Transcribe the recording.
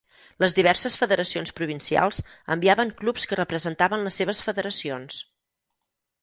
Les diverses federacions provincials enviaven clubs que representaven les seves federacions.